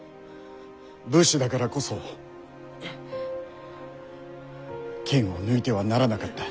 武士だからこそ剣を抜いてはならなかった。